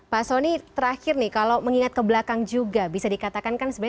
pak soni terakhir nih kalau mengingat ke belakang juga bisa dikatakan kan sebenarnya